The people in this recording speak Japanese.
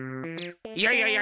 いやいやいや